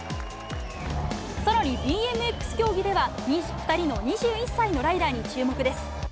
さらに、ＢＭＸ競技では、２人の２１歳のライダーに注目です。